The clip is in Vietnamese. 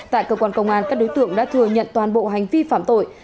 tại cơ quan công an các đối tượng đã thừa nhận toàn bộ hành vi phạm tội